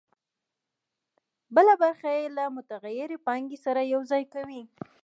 بله برخه یې له متغیرې پانګې سره یوځای کوي